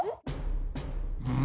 うん？